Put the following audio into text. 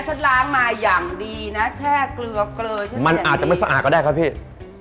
ฉันล้างมาอย่างดีนะแช่เกลือเกลือใช่ไหมมันอาจจะไม่สะอาดก็ได้ครับพี่